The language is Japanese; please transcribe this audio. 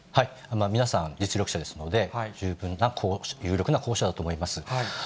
皆さん実力者ですので、十分に有力な候補者だと思います。